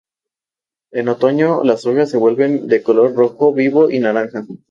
En otoño las hojas se vuelven de color rojo vivo y naranja.